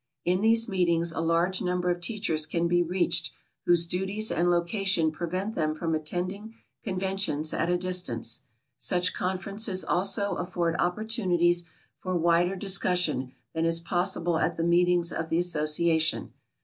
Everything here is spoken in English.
In these meetings a large number of teachers can be reached whose duties and location prevent them from attending conventions at a distance. Such conferences also afford opportunities for wider discussion than is possible at the meetings of the association.